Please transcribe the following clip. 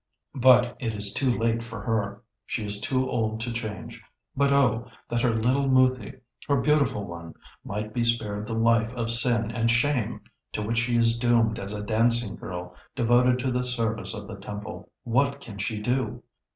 But it is too late for her. She is too old to change, but oh, that her little Moothi, her beautiful one, might be spared the life of sin and shame to which she is doomed as a dancing girl devoted to the service of the temple. What can she do?